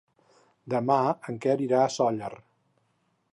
Demà en Quer irà a Sóller.